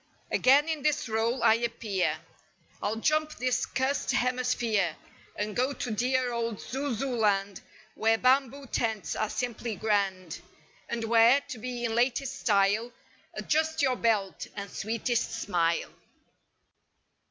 Again in this role I appear ril jump this cussed hemisphere And go to dear old Zululand Where bamboo tents are simply grand. And where, to be in latest style— Adjust your belt, and sweetest smile.